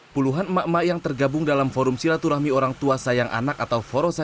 puluhan emak emak yang tergabung dalam forum silaturahmi orang tua sayang anak atau forsa